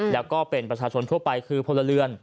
แล้วก็เป็นประชาชนทั่วไปคือพลเรือน